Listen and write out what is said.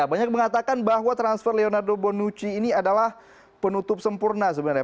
banyak mengatakan bahwa transfer leonardo bonucci ini adalah penutup sempurna sebenarnya